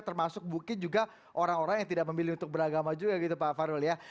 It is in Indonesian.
termasuk mungkin juga orang orang yang tidak memilih untuk beragama juga pak fahru